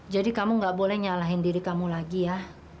jadi kamu nggak boleh nyalahin diri kamu lagi ya